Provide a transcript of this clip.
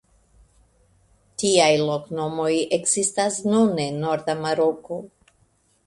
Tiaj loknomoj ekzistas nun en norda Maroko.